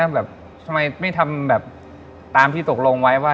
แบบทำไมไม่ทำแบบตามที่ตกลงไว้ว่า